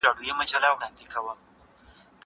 کېدای سي مڼې تياره وي؟!